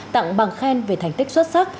tặng bằng khen về thành tích xuất sắc